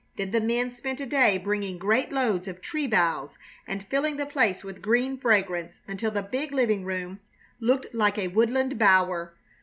Then the men spent a day bringing great loads of tree boughs and filling the place with green fragrance, until the big living room looked like a woodland bower.